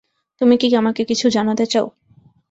তুমি কি আমাকে কিছু জানাতে চাও?